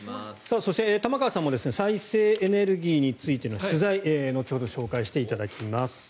そして、玉川さんも再生エネルギーについての取材後ほど紹介していただきます。